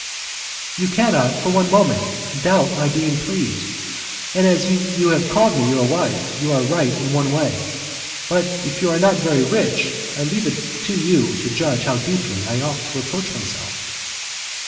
"You cannot for one moment doubt my being pleased, and as you have called me your wife you are right in one way, but if you are not very rich I leave it to you to judge how deeply I ought to reproach myself."